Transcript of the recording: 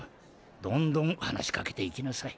どんどんはなしかけていきなさい。